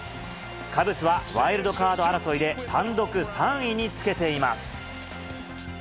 カブスはワイルドカード争いで単独３位につけています。